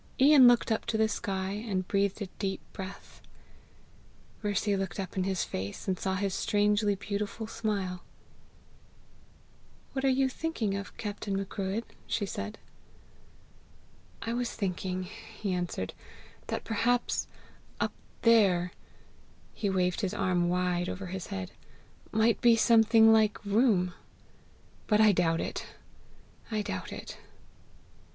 Ian looked up to the sky, and breathed a deep breath. Mercy looked up in his face, and saw his strangely beautiful smile. "What are you thinking of, Captain Macruadh?" she said. "I was thinking," he answered, "that perhaps up THERE" he waved his arm wide over his head "might be something like room; but I doubt it, I doubt it!"